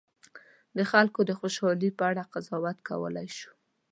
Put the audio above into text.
د خلکو د خوشالي په اړه قضاوت وکولای شو.